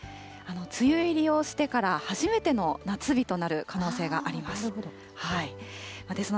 梅雨入りをしてから初めての夏日となる可能性があります。